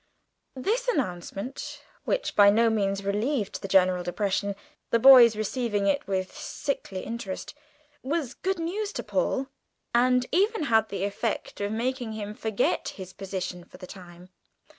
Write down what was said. This announcement (which by no means relieved the general depression the boys receiving it with a sickly interest) was good news to Paul, and even had the effect of making him forget his position for the time.